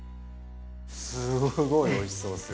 すごいおいしそうですよ。